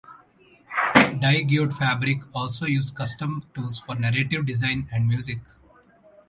Die Gute Fabrik also used custom tools for narrative design and music.